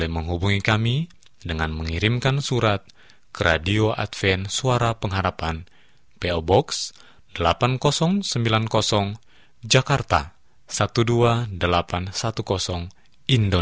muka dengan muka nanti